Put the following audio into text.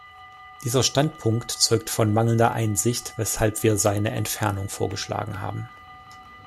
Dieser Standpunkt zeugt von mangelnder Einsicht, weshalb wir seine Entfernung vorgeschlagen haben.